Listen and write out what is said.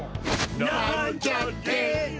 なんちゃって。